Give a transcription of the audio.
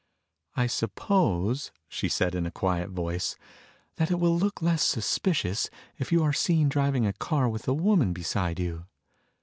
"I suppose," she said in a quiet voice, "that it will look less suspicious if you are seen driving a car with a woman beside you.